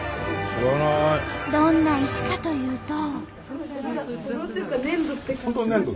どんな石かというと。